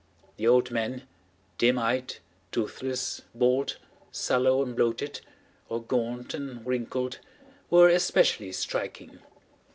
The old men, dim eyed, toothless, bald, sallow, and bloated, or gaunt and wrinkled, were especially striking.